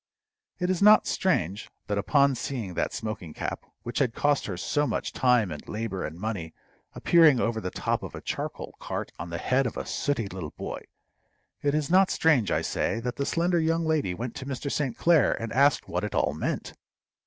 It is not strange that upon seeing that smoking cap, which had cost her so much time and labor and money, appearing over the top of a charcoal cart on the head of a sooty little boy it is not strange, I say, that the slender young lady went to Mr. St. Clair and asked what it all meant.